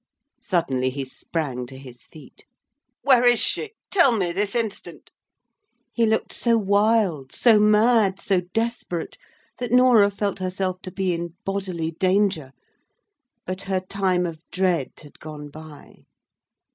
Suddenly he sprang to his feet. "Where is she? Tell me this instant." He looked so wild, so mad, so desperate, that Norah felt herself to be in bodily danger; but her time of dread had gone by.